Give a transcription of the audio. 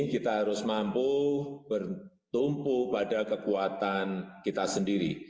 kita harus mampu bertumpu pada kekuatan kita sendiri